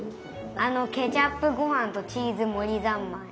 あのケチャップごはんとチーズもりざんまい。